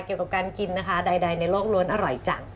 เกี่ยวกับการกินนะคะใดในโลกล้วนอร่อยจัง